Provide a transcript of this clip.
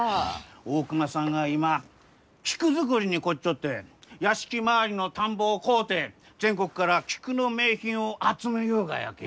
大隈さんが今菊作りに凝っちょって屋敷周りの田んぼを買うて全国から菊の名品を集めゆうがやき。